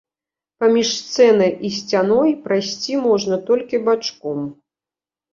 Паміж сцэнай і сцяной прайсці можна толькі бачком.